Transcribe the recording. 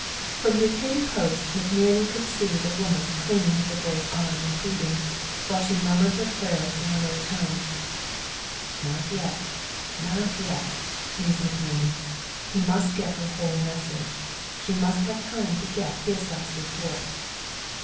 From his hidden post, McNerney could see the woman clinging to the boy's arm and pleading, while she murmured her prayers in a low tone. "Not yet, not yet," mused McNerney. "He must get her whole message. She must have time to get his last report."